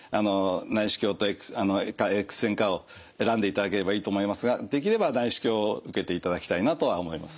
内視鏡とエックス線かを選んでいただければいいと思いますができれば内視鏡を受けていただきたいなとは思います。